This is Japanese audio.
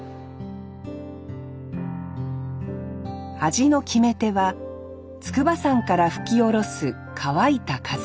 味の決め手は筑波山から吹き降ろす乾いた風。